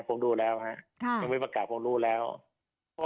ผมดูแล้วห้ะค่ะถ้ามีประกาศผมรู้แล้ว